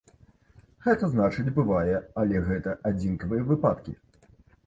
Гэта значыць, бывае, але гэта адзінкавыя выпадкі.